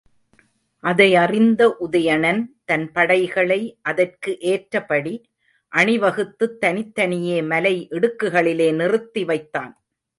அதையறிந்த உதயணன் தன் படைகளை அதற்கு ஏற்றபடி அணி வகுத்துத் தனித்தனியே மலை இடுக்குகளிலே நிறுத்தி வைத்தான்.